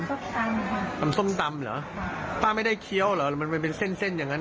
ส้มตำค่ะทำส้มตำเหรอป้าไม่ได้เคี้ยวเหรอมันเป็นเส้นเส้นอย่างงั้น